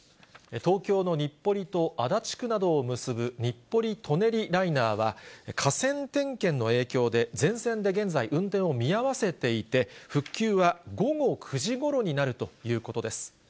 東京の日暮里と足立区などを結ぶ日暮里・舎人ライナーは、架線点検の影響で、全線で現在、運転を見合わせていて、復旧は午後９時ごろになるということです。